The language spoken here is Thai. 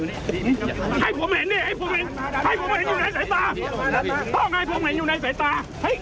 ให้ผมเห็นให้ผมเห็นอยู่ในสายตาต้องให้ผมเห็นอยู่ในสายตาเฮ้ย